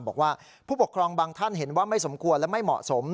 บอกว่าผู้ปกครองบางท่านเห็นว่าไม่สมควรและไม่เหมาะสม